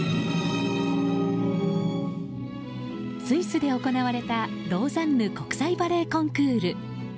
スイスで行われたローザンヌ国際バレエコンクール。